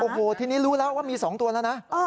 โอ้โหทีนี้รู้แล้วว่ามี๒ตัวแล้วนะ